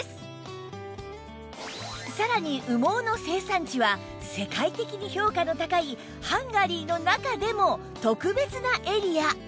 さらに羽毛の生産地は世界的に評価の高いハンガリーの中でも特別なエリア